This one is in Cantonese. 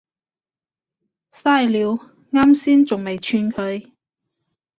曬料，岩先仲未串佢